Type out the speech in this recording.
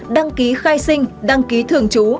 đăng ký khai sinh đăng ký thường trú